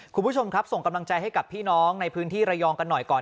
คุณผู้ชมครับส่งกำลังใจให้กับพี่น้องในพื้นที่ระยองกันหน่อยก่อน